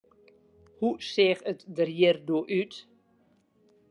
Hoe seach it der hjir doe út?